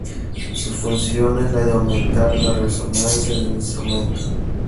Su función es la de aumentar la resonancia del instrumento.